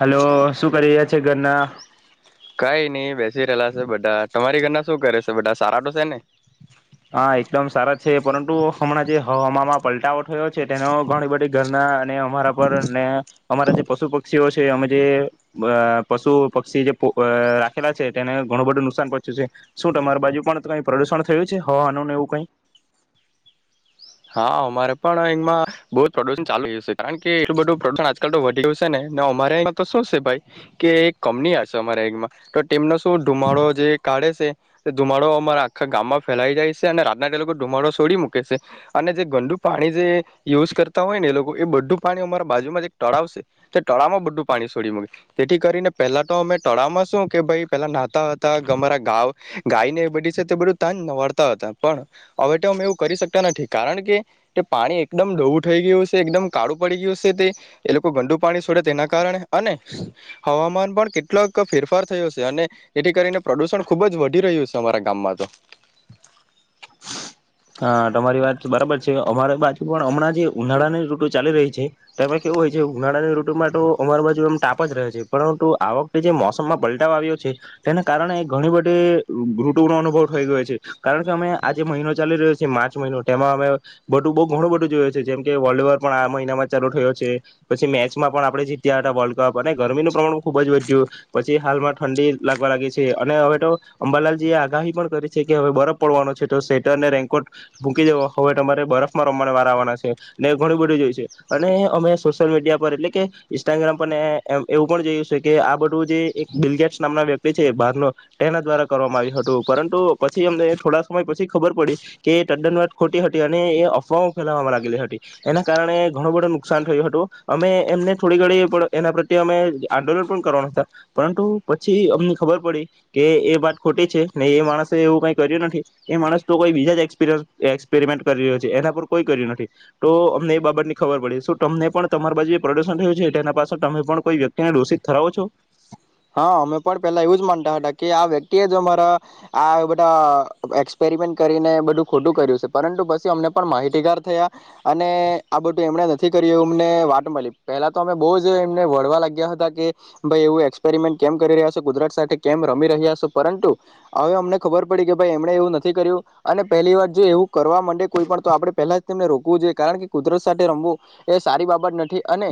હાલો શું કરી રહીયા તે ધરના કઈ નઈ બેસી રહેલા છે બધા તમારી ઘરના શું કરે છે બધા સારા તો છે ને હા એકદમ સારા છે પરંતુ હમણાં જે હવામાંમાં પલટાવો થયો છે તેનો ઘણી બધી ઘરના અને અમારા પર ને અમારા જે પશુ પક્ષીઓ છે અમે જે પશુ પક્ષી જે રાખેલા છે તેને ઘણું બધું નુકસાન પહોંચ્યું છે શું તમારી બાજુ પણ કઈ પ્રદુષણ થયું છે તે હવાનું ને એવું કઈ હા અમારે પણ અંમાં બહુ જ પ્રોડક્શન ચાલુ જશે કારણ કે એટલું બધું પ્રોશન આજકાલ તો વધી ગયું છે નેને અમારે તો શું છે ભાઈ કે એક કપની આવ છે અમારે અંમાં તો તેમનો શું ધુમાડો જે કાઢે છે ધુમાડો અમારા આખા ગામમાં ફેલાઈ જાય છે અને રાતના એ લોકો ધુમાડો છોડી મૂકે છે અને જે ગંદુ પાણી જે યુઝ કરતા હોય ને એ લોકો એ બધું પાણી અમારા બાજુમાં જે એક તળાવ છે. તે તળાવમાં બધું પાણી છોડી મુકે તેથી કરીને પહેલા તો અમે તળાવમાં શું કે ભાઈ પેલા નાહતા હતા કે અમારા ગાવ ગાય ને એ બધી છે તે બધું તાજ નવાડતા હતા. પણ હવે તો અમે એવું કરી શકતા નથી. કારણ કે તે પાણી એકદમ ડોવું થઈ ગયું છે એકદમ કાળું પડી ગયું છે તે એ લોકો ગંદું પાણી છોડે તેના કારણે અને હવામાન પણ કેટલોક ફેરફાર થયો છે અને એથી કરીને પ્રદુષણ ખુબ જ વધી રહ્યું છે અમારા ગામમાં તો. હા તમારી વાત બરાબર છે. અમારે બાજુ પણ હમણાં જે ઉનાળાની ઋતુ ચાલી રહી છે તેમાં કેવું હોય છે ઉનાળાની ઋતુમાં તો- અમારી બાજુ એમ તાપ જ રહે છે. પણ તો આ વખતે જે મોસમમાં પલટા આવ્યો છે તેના કારણે ઘણી બધી ઋતુનો અનુભવ થઈ ગયો છે. કારણ કે અમે આજે મહિનો ચાલી રહ્યો માર્ચ મહિનો તેમાં અમે બધું બહુ ઘણું બધું જોયું છે. જેમ કે વર્લ્ડ આ પણ આ મહિનામાં ચાલુ થયો છે પછી મેચમાં પણ આપણે જીત્યા હતા વર્લ્ડ કપ અને ગરમીનું પ્રમાણ પણ ખુબ જ વધ્યું પછી હાલમાં ઠંડી લાગવા લાગી છે અને હવે તો અંબાલાલજી એ આગાહી પણ કરી છે કે હવે બરફ પડવાનો છે તો સેટ તને રેકોટ ભૂકી દવા હોવે તમારે બરફમાં રમવા વાર આવવાના છે ને ઘણું બધી જોયશે અને અમે સોશયલ મીડિયા પર એટલે કે ઇન્સ્ટાગ્રામ પર એ એ એમ એવું પણ જોયું છે કે આ બધું જે એક બિલ ગેટ્સે નામ ના વ્યક્તિ છે બાર નો તેના દ્વારા કરવામાં આવ્યું હતું પરંતુ પછી અમને થોડા સમય પછી ખબર પડી કે તદ્દન વાત ખોટી હતી. અને એ અફવાઓ ફેલાવામાં લાગેલી હતી. એના કારણે ઘણું બધું નુકસાન થયું હતું. અમે એમને થોડી ઘડી પણ એના પ્રત્યે અમે આંદોલન પણ કરવાના હતા. પરંતુ પછી અમને ખબર પડી કે એ વાત ખોટી છે. ને એ માણસે એવું કઈ કર્યું નથી. એ માણસ તો કોઈ બીજા જ એક્સપેરિમેન્ટ કરી રહ્યો છે. એના પર કોઈ કર્યું નથી. તો અમને એ બાબત ની ખબર પડે તમને પણ તમારી બાજુ પ્રદર્શન થયું છે એના પાસે તમે પણ કોઈ વ્યક્તિને દોષિત ઠરાવો છો! હા અમે પણ પેલા એવું જ માનતા હતા કે આ વ્યક્તિ એ જ અમારા આ બધા એક્સપેરિમેન્ટ કરીને બધું ખોટું કર્યું છે. પરંતુ પછી અમને પણ માહિતીગાર થયા અને આ બધું એમણે નથી કર્યું એવું અમને વાત મળી. પહેલા તો અમે બહુ જ એમને વળવા લાગ્યા હતા કે ભાઈ એવું એ એસપેરમેન્ટ કેમ કરી રહ્યા છો કુદરત સાથે કેમ રમી રહ્યા છે પરંતુ હવે અમને ખબર પડી કે ભાઈ એમણે એવું નથી કર્યું. અને પહેલી વાર જો એવું કરવા માંડે કોઈ પણ તો આપણે પહેલા જ તેમને રોકવું જોઈએ કારણ કે કુદરત સાથે રમવું એ સારી બાબત નથી, અને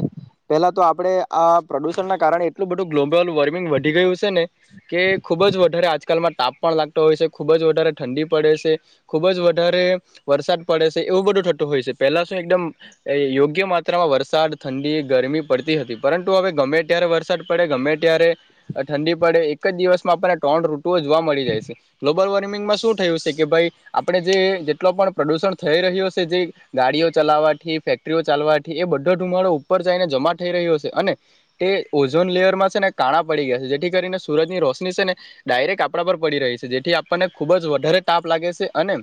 પેલા તો આપણે આ પ્રદુષણના કારણે એટલું બધું ગ્લોબલ વોર્મિંગ વધી ગયું છે ને કે ખૂબ જ વધારે આજકાલમાં તાપ પણ લાગતો હોય છે. ખૂબ જ વધારે ઠંડી પડે છે. ખૂબ જ વધારે વરસાદ પડે છે. એવું બધું થતું હોય છે, પહેલા શું એકદમ યોગ્ય માત્રામાં વરસાદ ઠંડી ગરમી પડતી હતી, પરંતુ હવે ગમે ત્યારે વરસાદ પડ ગમે ત્યારે ઠંડી પડે એક જ દિવસમાં આપણને ત્રણ ઋતુઓ જોવા મળી જાય છે. ગ્લોબલ વોર્મિંગમાં શું થયું છે કે, ભાઈ આપણે જે જેટલો પણ પ્રદુષણ થઈ રહ્યો છે. જે ગાડીઓ ચલાવવાથી ફેક્ટરીઓ ચાલવાથી એ બધો ધુમાડો ઉપર જઈને જમા થઈ રહ્યો છે. અને તે ઝોન લેયરમાં છે ને કાણા પડી ગયા છે જેથી કરીને સુરજ ની રોશની છે ને ડાયરેક્ટ આપણા પર પડી રહી છે. જેથી આપણને ખુબ જ વધારે તાપ લાગે છે અને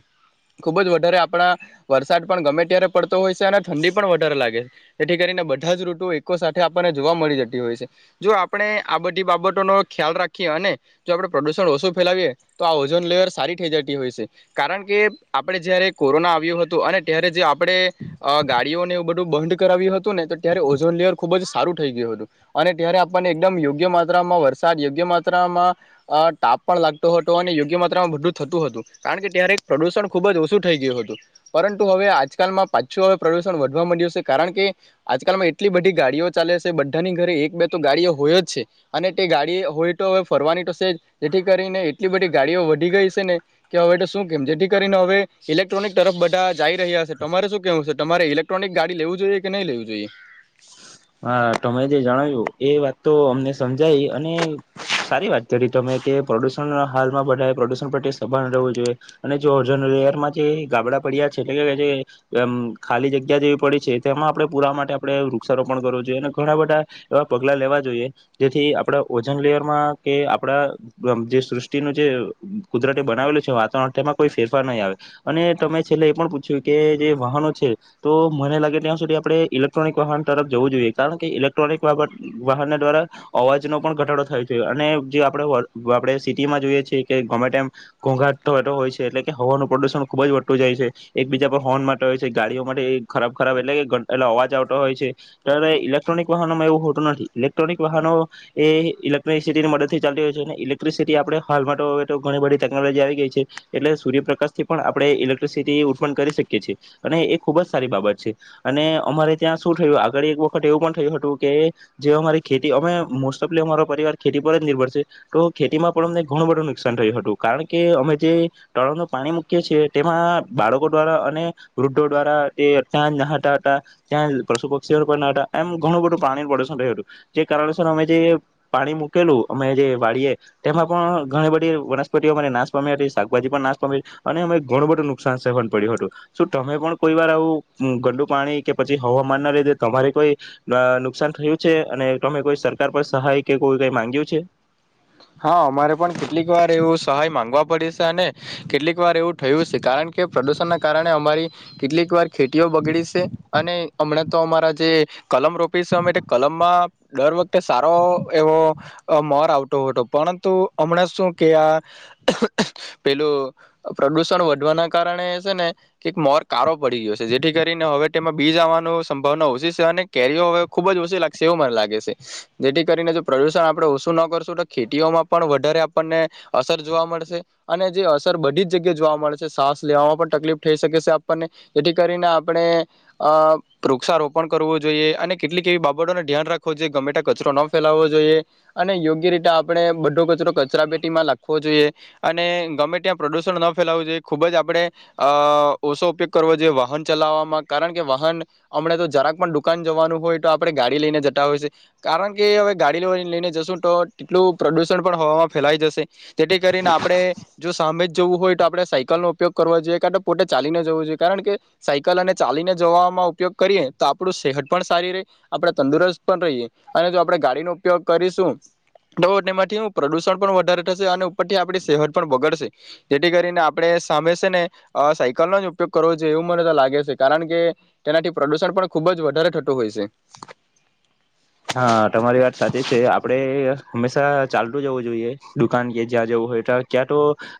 ખુબ જ વધારે આપણા વરસાદ પણ ગમે ત્યારે પડતો હોય છે, અને ઠંડી પણ વધારે લાગે છે. જેથી કરીને બધા જ ઋતુ એકકો સાથે આપણને જોવા મળી જતી હોય છે. જો આપણે આ બધી બાબતોનો ખ્યાલ રાખીએ અને જો આપણે પ્રદુષણ ઓછું ફેલાવીએ તો આ ઓઝોન લેયર સારી થઈ જતી હોય છે. કારણ કે આપણે જયારે કોરોના આવ્યું હતું, અને ત્યારે જે આપણે ગાડીઓને એવું બધું બંધ કરાવ્યું હતું ને તો ત્યારે ઓઝોન લેયર ખુબ જ સારું થઈ ગયું હતું. અને ત્યારે આપણને એકદમ યોગ્ય માત્રામાં વરસાદ યોગ્ય, માત્રામાં તાપ પણ લાગતો હતો. અને યોગ્ય માત્રામાં બધું થતું હતું. કારણ કે ત્યારે પ્રદુષણ ખૂબ જ ઓછું થઈ ગયું હતું. પરંતુ હવે આજકાલમાં પાછું હવે પ્રદુષણ વધવા મળડ્યું છે. કારણ કે આજકાલમાં એટલી બધી ગાડીઓ ચાલે છે બધાની ઘરે એક બે તો ગાડીઓ હોય જ છે. અને તે ગાડી હોય તો હવે ફરવાની તો છે. જ જેથી કરીને એટલી બધી ગાડીઓ વધી ગઈ છે, ને કે હવે શું કેમ જેથી કરીને હવે ઇલેક્ટ્રોનિક તરફ બધા જઈ રહ્યા છે. તમારે શું કેવું છે? તમારે ઇલેક્ટ્રોનિક ગાડી લેવું જોઈએ કે નહીં લેવું જોઈએ! હા તમે જે જણાવ્યું એ વાત તો અમને સમજાય અને સારી વાત કરી તમે કે પ્રદુષણ હાલમાં બધાય પ્રદુષણ પ્રત્યે સભાન રહેવું જોઈએ. અને જો ઓઝોન રેયમાં જે ગાબડા પડ્યા છે એટલે કે જે ખાલી જગ્યા જેવી પડી છે. તેમાં આપણે પુરા માટે આપણે વૃક્ષ રોપણ‌ કરવો જોઈએ. અને ઘણા બધા એવા પગલા લેવા જોઈએ જેથી આપણા ઓજન લેયરમાં કે આપડા જે સૃષ્ટિનું જે કુદરતી બનાવેલું છે વાતાવરણ તેમાં કોઈ ફેરફાર નહીં આવે. અને તમે છેલ્લે એ પણ પૂછ્યું કે જે વાહનો છે તો મને લાગે ત્યાં સુધી આપણે ઇલેક્ટ્રોનિક વાહન તરફ જવું જોઈએ કારણ કે ઇલેક્ટ્રોનિક વાહન દ્વારા અવાજનો પણ ઘટાડો થાય. અને જે આપણે આપણે સિટીમાં જોઈએ છએ કે ગમે ટાઈમ ઘોંઘાટ હોય છે. એટલે કે હવાનું પ્રદુષણ ખુબ જ વધટતું જાય છે એકબીજા પર હોર્ન માટે હોય છે. ગાડીઓ માટે ખરાબ ખરાબ એટલે કે એટલે અવાજ આવતો હોય છે ત્યારે ઇલેક્ટ્રોનિક વાહનોમાં એવું હોતું નથી, ઇલેક્ટ્રોનિક વાહનો એ ઇલેક્ટ્રિસિટી ની મદદથી ચાલલી હોય છે. અને ઇલેક્ટ્રિસિટી આપણે હાલમાં ઘણી બધી ટેકનોલોજી આવી ગઈ છે. એટલે સૂર્યપ્રકાશ થી પણ આપણે ઇલેક્ટ્રિસિટી ઉત્પન્ કરી શકીએ છીએ અને એ ખુબ જ સારી બાબત છે અને અમારે ત્યાં શું થયું ઘરે એક વખત એવું પણ થયું હતું કે જે અમારી ખેતી અમે મોસ્ટ ઓફલી અમારો પરિવાર ખેતી પર જ નિર્ભર છે તો ખેતીમાં પણ અમને ઘણું બધું નુકસાન થયું હતું કારણ કે અમે જે તળાવનું પાણી મૂકીએ છીએ તેમાં બાળકો દ્વારા અને વૃદ્ધો દ્વારા તે ત્યાં નહતા હતા ત્યાં પશુ પક્ષીઓના નહાતા હતા. એમ ઘણું બધું પાણી પ્રદુષણ રહ્યું હતું. જે કારણસર અમે જે પાણી મૂકેલું અમે જે વાડીએ તેમાં પણ ઘણી બધી વનસ્પતિઓ અ નાશ પામી હતી, શાકભાજી પણ નાશ પામી. અને અમે ઘણું બધું નુકસાન સવાન પડ્યું હતું શું તમે પણ કોઈ વાર આવું ગં‌દુ પાણી કે પછી હવામાન ના લીધે તમારે કોઈ નુકસાન થયું છે, અને તમે કોઈ સરકાર પર સહાય કે કોઈ કઈ માંગ્યું છે. હા અમારે પણ કેટલીક વાર એવું સહાય માંગવા પડે છે. અને કેટલીક વાર એવું થયું છે કારણ કે પ્રદુષણ ના કારણે અમારી કેટલીક વાર ખેતીઓ બગડી છે અને હમણાં તો અમારા જે કલમ રોપીશ અમે કલમમાં દર વખતે સારો એવો મોર આવતો હતો. પરંતુ હમણાં શું કે આ પેલું પ્રદુષણ વધવાના કારણે એ છે ને કે મોર કારો પડી ગયો છે. જેથી કરીને હવે તેમાં બીજ આવવાનું સંભાવના ઓછી છે. અને કેરીઓ હવે ખુબ જ ઓછી લાગશે એવું મને લાગે છે. જેથી કરીને જો પ્રદુષણ આપણે ઓછું ન કરશું તો ખેતીઓમાં પણ વધારે આપણને અસર જોવા મળશે. અને જે અસર બધી જ જગ્યાએ જોવા મળેશે શ્વાસ લેવામાં પણ તકલીફ થઈ શકે છે. આપણને જેથી કરીને આપણે અ વૃક્ષારોપણ કરવું જોઈએ. અને કેટલીક એવી બાબતોને ધ્યાન રાખવું જોઈએ ગમે ત્યાં કચરો ન ફેલાવવો જોઈએ અને યોગ્ય રીતે આપણે બધો કચરો કચરા પેટીમાં નાખવો જોઈએ. અને ગમે ત્યાં પ્રદુષણ ન ફેલાવું જોઈએ. ખૂબ જ આપણે અ ઓછો ઉપયોગ કરવો જોઈએ વાહન ચલાવવામાં. કારણ કે વાહન હમણાં તો જરાક પણ દુકાન જવાનું હોય તો આપણે ગાડી લઈને જતા હોય છે કારણ કે હવે ગાડી લઈને જશું તો એટલું પ્રદૂષણ પણ હવામાં ફેલાઈ જશે. જેથી કરીને આપણે જો સામે જ જવું હોય તો આપણે સાયકલનો ઉપયોગ કરવો જોઈએ કા તો પોતે ચાલીને જવું જોઈએ. કારણ કે સાયકલ અને ચાલીને જવામાં ઉપયોગ કરીએ તો આપણું સેહત પણ સારી રહે આપણે તંદુરસ્ત પણ રહીએ. અને જો આપણે ગાડીનો ઉપયોગ કરીશું તો તેમાંથી પ્રદુષણ પણ વધારે થશે. અને ઉપરથી આપણી સેહત પણ બગડશે. જેથી કરીને આપણે સામે છે ને સાયકલનો જ ઉપયોગ કરવો જોઈએ એવું મને તો લાગે છે. કારણ કે તેનાથી પ્રદુષણ પણ ખુબ જ વધારે થતું હોય છે. હા તમારી વાત સાચી છે આપણે હંમેશા ચાલતું જવું જોઈએ દુકાન કે જ્યાં જવું હોય ત્યાં ક્યાં તો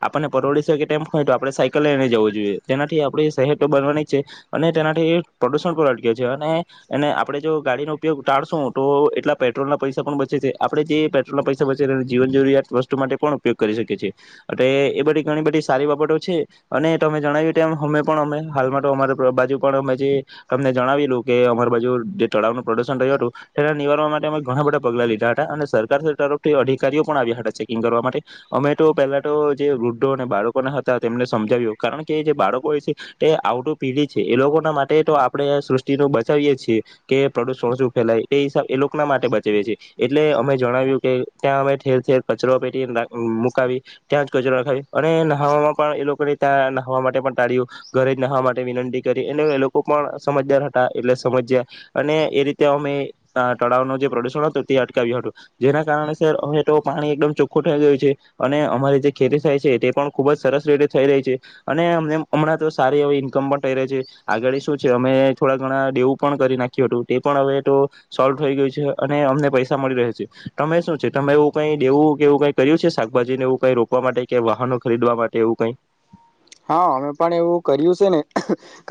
આપણને પરોળી શકે તેમ હોય તો આપણે સાયકલ લઈને જવું જોઈએ. તેનાથી આપડી સહેત તો બનવાની જ છે, અને તેનાથી પ્રદુષણ પણ અટકે છે. અને એને આપણે જો ગાડીનો ઉપયોગ ટાળશું તો એટલા પેટ્રોલ ના પૈસા પણ બચે છે. આપણે જે પેટ્રોલ ના પૈસા બચે છે જીવન જરૂરિયાત વસ્તુ માટે પણ ઉપયોગ કરી શકીએ છીએ. અતે એ બધી ઘણી બધી સારી બાબતો છે. અને તમે જણાવ્યું તેમ અમે પણ અમે હાલમાં તો અમા બાજુ પણ અમે જે તમને જણાવીલું કે અમારી બાજુ જે તળાવનું પ્રદુશન રહ્યું હતું તે નિવારવા માટે અમે ઘણા બધા પગલા લીધા હતા. અને સરકાર તરફથી અધિકારીઓ પણ આવ્યા હતા ચેકિંગ કરવા માટે. અમે તો પહેલા તો જે વૃદ્ધો અને બાળકોના હતા તેમને સમજાવ્યું કારણ કે જે બાળકો હોય છે તે આવતું પીઢી છે. એ લોકોના માટે તો આપણે સૃષ્ટિ ન બચાવીએ છીએ કે પ્રદુષણ શું ફેલાય તે હિસાબ એ લોકના માટે બચેવે છે. એટલે અમે જણાવ્યું કે ત્યાં અમે ઠેર-ઠેર કચરો પેટીને રાખ મુકાવી, ત્યાં જ કચરો નખાવી, અને નહાવામાં પણ એ લોકોને તા નહાવા માટે પણ ટાળ્યું. ઘરે જ નાહવા માટે વિનંતી કરી, એટલે એ લોકો પણ સમજદાર હતા, એટલે સમજ્યા. અને એ રીતે અમે ના તળાવ નું જે પ્રદુષણ હતું તે અટકાવ્યો હતું. જેના કારણે સર હવે તો પાણી એકદમ ચોખ્ખું થઈ ગયેલું છે. અને અમારી જે ખેતી થાય છે, તે પણ ખુબ જ સરસ રીતે થઈ રહી છે. અને [unintelligible] હમણાં તો સારી હવે ઈન્કમ પણ થઈ રહી છે. આગળ શું છે અમે થોડા ઘણા દેવું પણ કરી નાખ્યું હતું. તે પણ હવે તો સોલ્વ થઈ ગયું છે. અને અમને પૈસા મળી રહે છે. તમે શું છે તમે એવું કઈ દેવું કે એવું કઈ કર્યું છે, શાકભાજીને એવું કઈ રોપવા માટે કે વાહનો ખરીદવા માટે એવું કઈ? હા અમે પણ એવું કર્યું છે ને.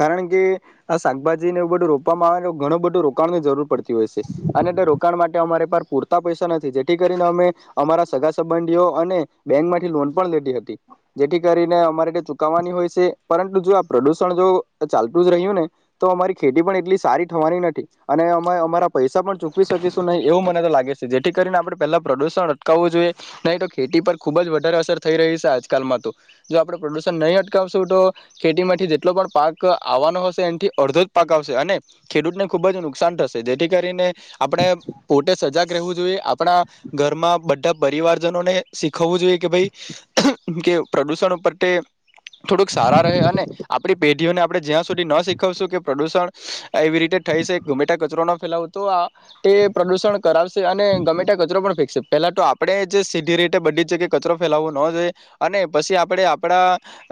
કારણ કે આ શાકભાજી ને એવું બધું રોપવામાં આવે ઘણું બધું રો કાણ ની જરૂર પડતી હોય છે. અને તે રોકાણ માટે અમારે પૂરતા પૈસા નથી. જેથી કરીને અમે અમારા સગા સંબંધીઓ અને બેંક માંથી લોન પણ લીધી હતી. જેથી કરીને અમારે ત્યાં ચૂક વવાની હોય સે, પરંતુ જો આ પ્રદુષણ જો ચાલતું જ રહ્યું ને તો અમારી ખેતી પણ એટલી સારી થવાની નથી. અને અમે અમારા પૈસા પણ ચૂકવી શકીશું નહીં એવું મને તો લાગે છે. જેથી કરીને આપણે પહેલા પ્રદુષણ અટકાવવું જોઈએ, નહીં તો ખેતી પર ખુબ જ વધારે અસર થઈ રહી છે આજકાલમાં તો. જો આપણે પ્રદૂ ષણ નહી અટકાવશું તો ખેતીમાંથી જેટલો પણ પાક આવવાનો હશે એનથી અડધો જ પાક આવશે. અને ખેડૂતને ખુબ જ નુકસાન થશે. જેથી કરીને આપણે પોતે સજાગ રહેવું જોઈએ. આપણા ઘરમાં બધા પરિવારજનોને શીખવવું જોઈએ કે ભઈ કે પ્રદુષણ ઉપર તે થોડુંક સારા રહે, અને આપડી પેઢીઓને આપણે જ્યાં સુધી ન શીખવશું કે પ્રદૂષણ એવી રીતે થઈ સે, ગમેટા કચરો ન ફેલાવો તો આ તે પ્રદૂષણ કરાવશે અને ગમેટા કચરો પણ ફેંકશે. પેલા તો આપણે જે સીધી રીતે બધી જ જગ્યાએ કચરો ફેલાવવો ન જોઈએ અને પછી આપણે આપણા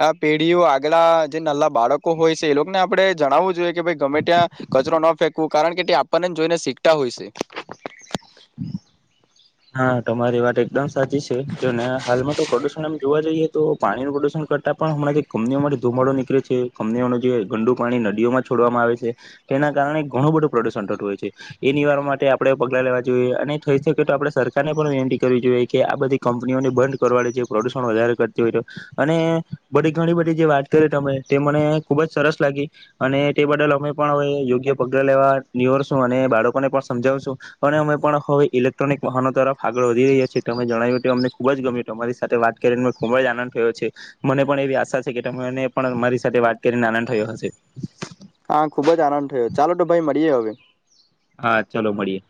આ પેઢીઓ આગળ જે નલા બાળકો હોય છે એ લોકોને આપણે જણાવવું જોઈએ કે ભાઈ ગમે ત્યાં કચરો ના ફેંકવું કારણ કે તે આપણને જ જોઈને શીખતા હોય છે. હા તમારી વાત એકદમ સાચી છે. જોને હાલમાં તો પ્રદુષણ એમ જોવા જઈએ તો પાણીનું પ્રદુષણ કરતાં પણ હમણાં જે કંપનીઓ માથી ધુમાડો નીકળે છે, કંપનીઓનું જે ગંડુ પાણી નદીઓમાં છોડવામાં આવે છે, તેના કારણે ઘણું બધું પ્રદુષણ થતું હોય છે. એ નિવારણ માટે આપડે પગલા લેવા જોઈએ અને થઈ શકે તો આપડે સરકારની પણ વિનંતી કરવી જોઈએ કે આ બધી કંપનીઓને બંધ કરવાડે છે જે પ્રદુષણ વધારે કરતી હોય તો. અને બધી ઘણી બધી જે વાત કરી તમે તે મને ખુબ જ સરસ લાગી, અને તે બદલ અમે પણ હવે યોગ્ય પગલા લેવા નીવરશું અને બાળકોને પણ સમજાવશું, અને અમે પણ હવે ઇલેક્ટ્રોનિક વાહનો તરફ આગળ વધી રહ્યા છી. તમે જણાવ્યું અમને ખુબ જ ગમ્યું. તમારી સાથે વાત કરીને ખૂબ જ આનંદ થયો છે. મને પણ એવી આશા છે કે તમને પણ અમારી સાથે વાત કરીને આનંદ થયો હશે. હા ખુબ જ આનંદ થયો. ચાલો તો ભાઈ મળીએ હવે. હા, ચાલો મળીએ.